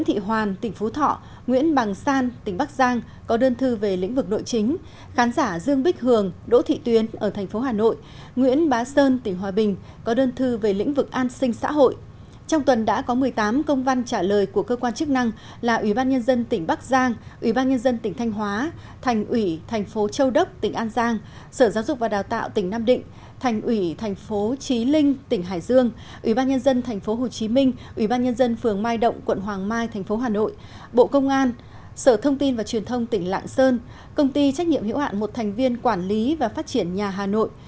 sở thông tin và truyền thông tỉnh lạng sơn công ty trách nhiệm hiểu hạn một thành viên quản lý và phát triển nhà hà nội